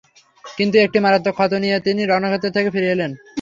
কিন্তু একটি মারাত্মক ক্ষত নিয়ে তিনি রণক্ষেত্র থেকে ফিরে এলেন।